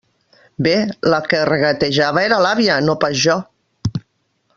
Bé, la que regatejava era l'àvia, no pas jo.